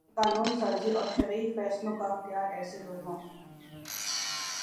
کہ قانون سازی اور شرعی فیصلوں کا اختیار ایسے لوگوں